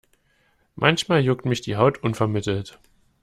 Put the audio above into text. Manchmal juckt mich die Haut unvermittelt.